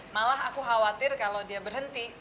malah aku khawatir kalau dia berhenti